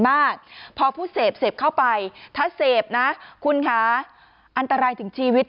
มากพอผู้เสพเสพเข้าไปถ้าเสพนะคุณคะอันตรายถึงชีวิต